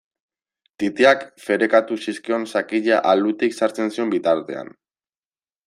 Titiak ferekatu zizkion sakila alutik sartzen zion bitartean.